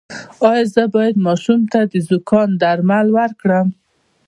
ایا زه باید ماشوم ته د زکام درمل ورکړم؟